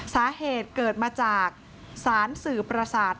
สาเหตุเกิดมาจากสารสื่อประสาท